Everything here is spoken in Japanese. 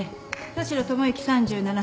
田代智之３７歳。